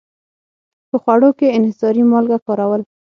په خوړو کې انحصاري مالګه کارول.